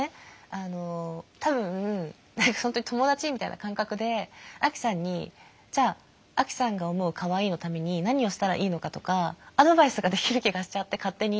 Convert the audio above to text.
あの多分本当に友だちみたいな感覚でアキさんにじゃあアキさんが思うかわいいのために何をしたらいいのかとかアドバイスができる気がしちゃって勝手に。